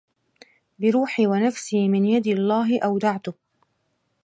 بروحي ونفسي من يد الله أودعت